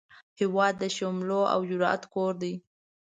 هیواد د شملو او جرئت کور دی